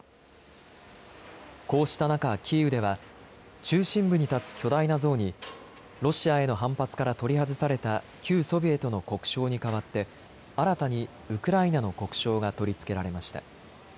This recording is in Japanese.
こうした中、キーウでは中心部に建つ巨大な像にロシアへの反発から取り外された旧ソビエトの国章に代わって新たにウクライナの国章が取り付けられました。